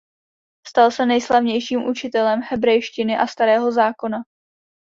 Stal se nejslavnějším učitelem hebrejštiny a starého zákona.